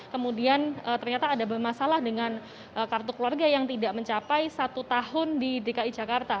kemudian ternyata ada bermasalah dengan kartu keluarga yang tidak mencapai satu tahun di dki jakarta